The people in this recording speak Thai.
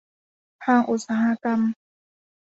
ทางอุตสาหกรรม